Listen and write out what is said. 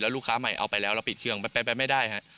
ลูกค้าใหม่เอาไปแล้วแล้วปิดเครื่องไปไม่ได้ฮะ